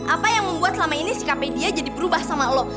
apa yang membuat selama ini sikap media jadi berubah sama lo